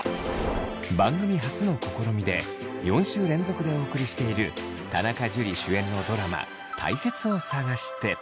番組初の試みで４週連続でお送りしている田中樹主演のドラマ「たいせつを探して」。